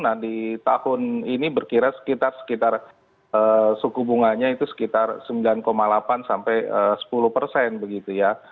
nah di tahun ini berkira sekitar suku bunganya itu sekitar sembilan delapan sampai sepuluh persen begitu ya